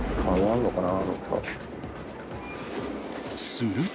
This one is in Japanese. ［すると］